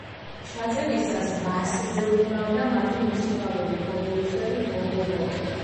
ჩაწერისას ბასზე უკრავდა მათი მუსიკალური პროდიუსერი ბობ როკი.